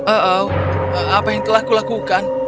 oh apa yang telah kulakukan